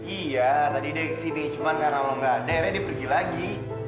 iya tadi dia kesini cuman karena lo gak ada ya dia pergi lagi